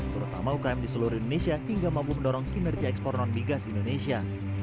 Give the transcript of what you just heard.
terutama ukm di seluruh indonesia hingga mampu mendorong kinerja ekspor non migas indonesia